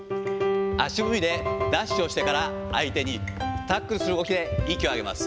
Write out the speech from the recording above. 足踏みでダッシュをしてから、相手にタックルする動きで息を上げます。